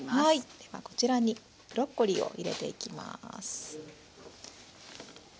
ではこちらにブロッコリーを入れていきます。